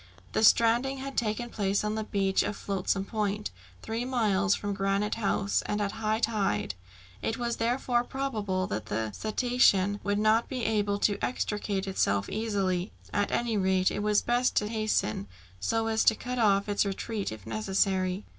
The stranding had taken place on the beach of Flotsam Point, three miles from Granite House, and at high tide. It was therefore probable that the cetacean would not be able to extricate itself easily, at any rate it was best to hasten, so as to cut off its retreat if necessary.